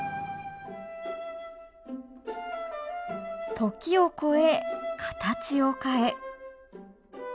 時を超え形を変え。